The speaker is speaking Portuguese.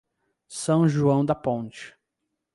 São João da Ponte